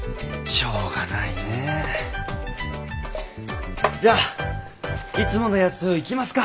しょうがないねえ。じゃあいつものやつをいきますか。